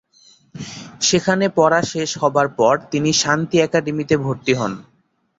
সেখানে পড়া শেষ হবার পর তিনি শান্তি একাডেমিতে ভর্তি হন।